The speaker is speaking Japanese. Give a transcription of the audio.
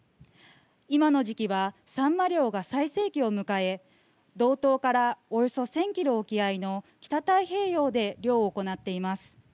今の時期はさんま漁が最盛期を迎え道東からおよそ１０００キロ沖合の北太平洋で漁を行っています。